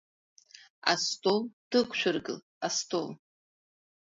Астол дықәшәыргыл, астол!